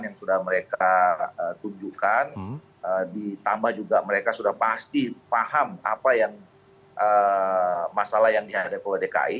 yang sudah mereka tunjukkan ditambah juga mereka sudah pasti paham apa yang masalah yang dihadapi oleh dki